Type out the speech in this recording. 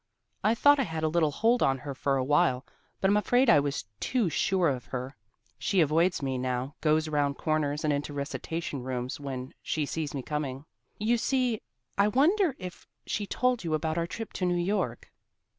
I thought I had a little hold on her for a while, but I'm afraid I was too sure of her. She avoids me now goes around corners and into recitation rooms when she sees me coming. You see I wonder if she told you about our trip to New York?"